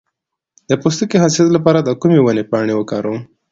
د پوستکي د حساسیت لپاره د کومې ونې پاڼې وکاروم؟